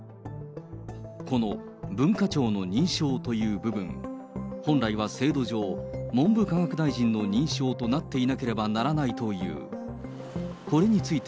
この文化庁の認証という部分、本来は制度上、文部科学大臣の認証となっていなければならないという。